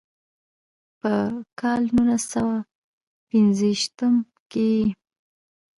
پۀ کال نولس سوه پينځه شپيتم کښې ئې